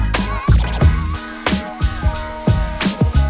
เพลง